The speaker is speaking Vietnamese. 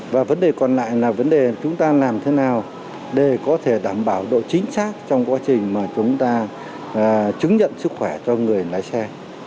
và vấn đề còn lại là vấn đề chúng ta làm thế nào để có thể đảm bảo độ chính xác trong quá trình mà chúng ta chứng nhận sức khỏe cho người lái xe